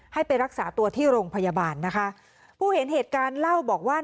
ให้ไปรักษาตัวที่โรงพยาบาลนะคะผู้เห็นเหตุการณ์เล่าบอกว่า